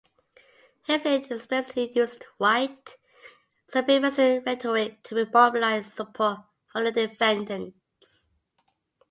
Heflin explicitly used white supremacist rhetoric to mobilize support for the defendants.